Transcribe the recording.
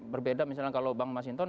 berbeda misalnya kalau bang mas hinton